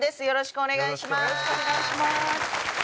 よろしくお願いします。